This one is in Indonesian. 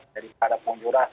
dari kada punggur rasa